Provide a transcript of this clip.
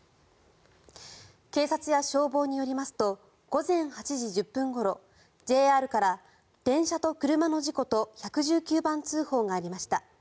警察や消防によりますと午前８時１０分ごろＪＲから電車と車の事故と１１９番通報がありました。